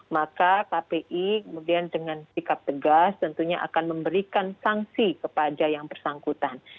maka kpi kemudian dengan sikap tegas tentunya akan memberikan sanksi kepada yang bersangkutan